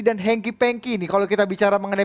dan hengki pengki ini kalau kita bicara mengenai